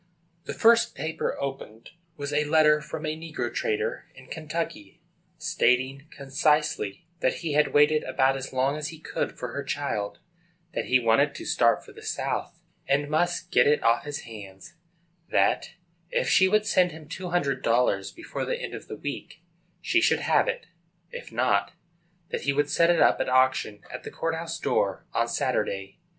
The first paper opened was a letter from a negro trader in Kentucky, stating concisely that he had waited about as long as he could for her child; that he wanted to start for the South, and must get it off his hands; that, if she would send him two hundred dollars before the end of the week, she should have it; if not, that he would set it up at auction, at the court house door, on Saturday.